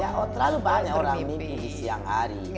ya terlalu banyak orang mimpi di siang hari